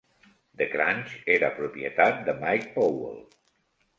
The Crunch eren propietat de Mike Powell.